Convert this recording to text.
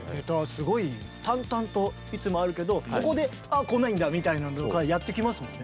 すごい淡々といつもあるけどここであこないんだみたいなのとかやってきますもんね。